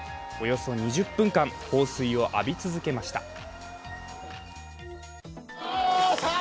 およそ２０分間放水を浴び続けました。